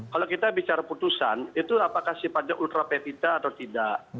kalau kita bicara putusan itu apakah sifatnya ultrapevita atau tidak